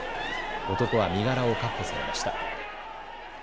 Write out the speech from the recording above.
男は身柄を確保されました。